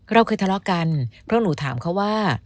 เราเคยทะเลาะกันเพราะหนูถามเขาว่า